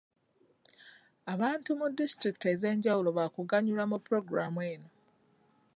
Abantu mu disitulikiti ez'enjawulo baakuganyulwa mu pulogulaamu eno.